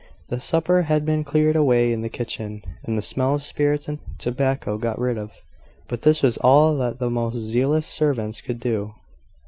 The supper had been cleared away in the kitchen, and the smell of spirits and tobacco got rid of: but this was all that the most zealous servants could do.